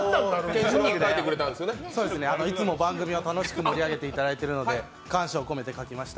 いつも番組を楽しく盛り上げていただいているので、感謝を込めて書きました。